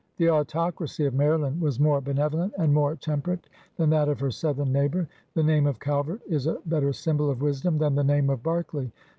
The autocracy of Maryland was more benevolent and more temperate than that of her southern neighbor. The name of Cal vert is a better symbol of wisdom than the name of Berkeley.